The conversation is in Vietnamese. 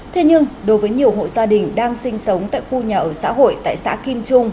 thế nhưng đối với nhiều hộ gia đình đang sinh sống tại khu nhà ở xã hội tại xã kim trung